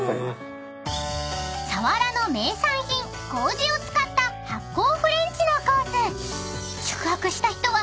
［佐原の名産品こうじを使った発酵フレンチのコース］